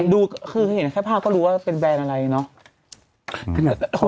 ดูคือเห็นแค่ภาพก็รู้ว่าเป็นแบรนด์อะไรเนาะ